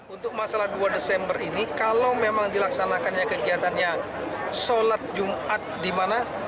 untuk masalah dua desember ini kalau memang dilaksanakannya kegiatannya sholat jumat di mana